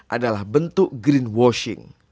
adalah bentuk greenwashing